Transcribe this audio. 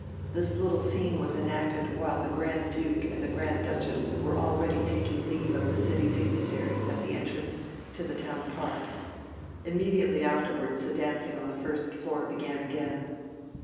This little scene was enacted while the Grand Duke and the Grand Duchess were already taking leave of the city dignitaries at the entrance into the town park. Immediately afterwards the dancing on the first floor began again.